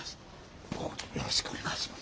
よろしくお願いします。